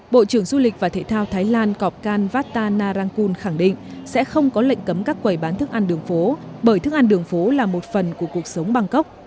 bộ trưởng du lịch và thể thao thái lan cọp can vatta narangkul khẳng định sẽ không có lệnh cấm các quầy bán thức ăn đường phố bởi thức ăn đường phố là một phần của cuộc sống bangkok